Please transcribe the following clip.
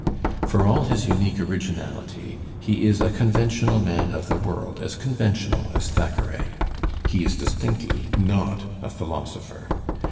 For all his unique originality, he is a conventional man of the world, as conventional as Thackeray. He is distinctly not a philosopher.